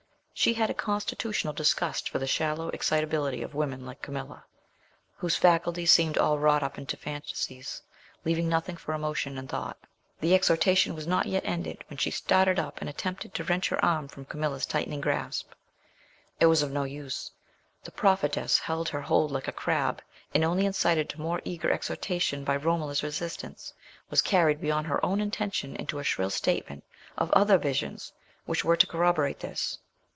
She had a constitutional disgust for the shallow excitability of women like Camilla, whose faculties seemed all wrought up into fantasies, leaving nothing for emotion and thought. The exhortation was not yet ended when she started up and attempted to wrench her arm from Camilla's tightening grasp. It was of no use. The prophetess kept her hold like a crab, and, only incited to more eager exhortation by Romola's resistance, was carried beyond her own intention into a shrill statement of other visions which were to corroborate this.